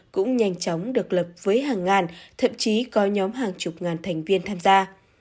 cũng nhanh chóng được lập với hàng ngàn thậm chí có nhóm hàng chục ngàn thành viên tham gia